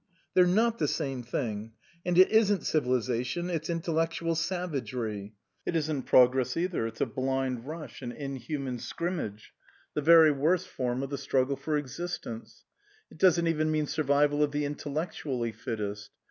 "They're not the same thing. And it isn't civilization, it's intellectual savagery. It isn't progress either, it's a blind rush, an inhuman scrimmage the very worst form of the struggle for existence. It doesn't even mean survival of the intellectually fittest.